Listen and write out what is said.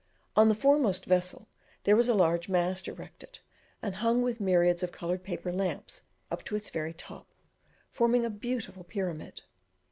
On the foremost vessel there was a large mast erected, and hung with myriads of coloured paper lamps up to its very top, forming a beautiful pyramid.